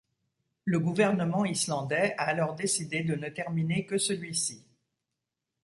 Le gouvernement islandais a alors décidé de ne terminer que celui-ci.